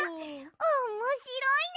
おもしろいね！